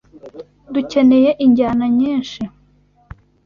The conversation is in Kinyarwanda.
dukeneye injyana nyinshi